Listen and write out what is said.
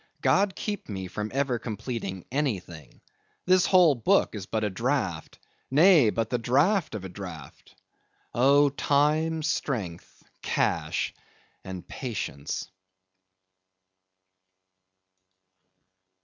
God keep me from ever completing anything. This whole book is but a draught—nay, but the draught of a draught. Oh, Time, Strength, Cash, and Patience!